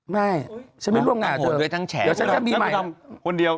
ไม่อุ้ยฉันมึงร่มงานคนเดียว